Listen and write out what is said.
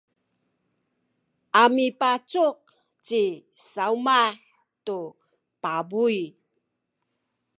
a mipacuk ci Sawmah tu pabuy.